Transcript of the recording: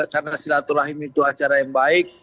karena silaturahim itu acara yang baik